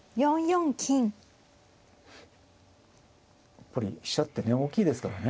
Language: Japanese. やっぱり飛車ってね大きいですからね。